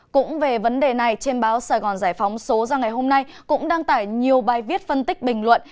cũng về vấn đề này trên báo sài gòn giải phóng số ra ngày hôm nay cũng đăng tải nhiều bài viết phân tích bình luận